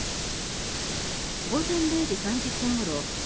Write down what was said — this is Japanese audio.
午前０時３０分ごろ